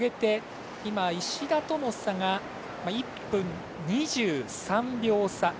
今、石田との差が１分２３秒差。